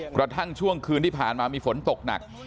กระทั่งช่วงคืนที่ผ่านมามีฝนตกหนัก